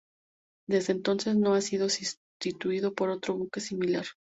Desde entonces no ha sido sustituido por otro buque similar.